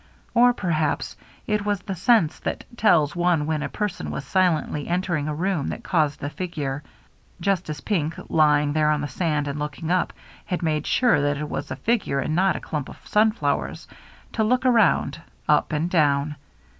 Or perhaps it was the sense that tells one when a person has silently entered a room that caused the figure — just as Pink, lying there on the sand WHISKEY JIM 359 and looking up, had made sure that it was a figure and not a clump of sunflowers — to look around, up and down.